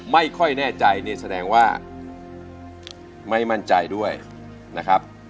ไม่ค่อยแน่ใจเนี่ยแสดงว่าไม่มั่นใจด้วยนะครับ